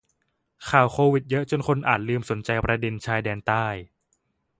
ข่าวโควิดเยอะจนคนอาจลืมสนใจประเด็นชายแดนใต้